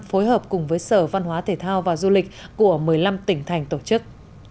phối hợp cùng với sở văn hóa thể thao và du lịch của một mươi năm tỉnh thành tổ chức